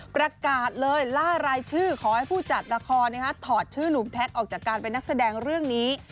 ประกาศเลยล่ารายชื่อขอให้ผู้จัดละครถอดชื่อหนุ่มแท็กออกจากการเป็นนักแสดงเรื่องนี้